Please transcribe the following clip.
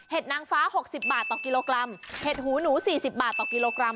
นางฟ้า๖๐บาทต่อกิโลกรัมเห็ดหูหนู๔๐บาทต่อกิโลกรัม